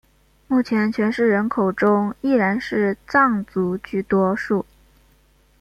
目前全市人口中依然是藏族居多数。